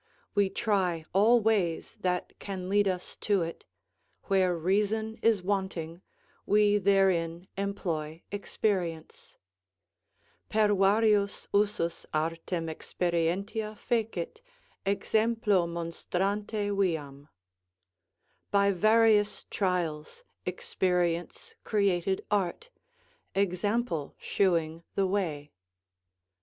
We try all ways that can lead us to it; where reason is wanting, we therein employ experience, "Per varios usus artem experientia fecit, Exemplo monstrante viam," ["By various trials experience created art, example shewing the way."